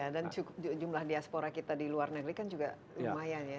dan jumlah diaspora kita di luar negeri kan juga lumayan ya